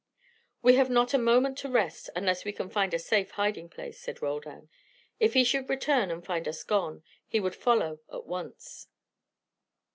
"We have not a moment to rest, unless we can find a safe hiding place," said Roldan. "If he should return and find us gone, he would follow at once."